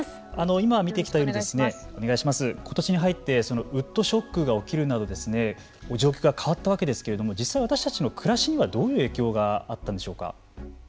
今、見てきたようにことしに入ってウッドショックが起きるなど条件が変わったわけですけれども実際、私たちの暮らしにはどういう影響があったんでしょうか。